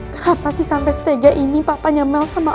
kenapa sih sampai setegah ini papanya mel sama aku